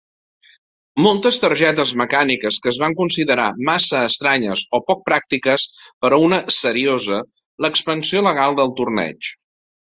Moltes targetes mecàniques que es van considerar massa estranyes o poc pràctiques per a una "seriosa", l'expansió legal del torneig.